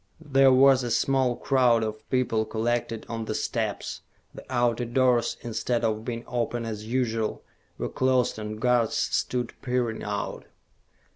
There was a small crowd of people collected on the steps. The outer doors, instead of being open as usual, were closed and guards stood peering out.